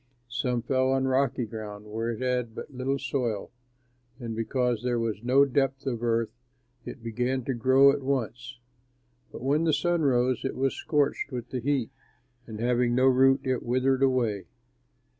Some fell on rocky ground, where it had but little soil, and because there was no depth of earth it began to grow at once; but when the sun rose, it was scorched with the heat, and having no root it withered away.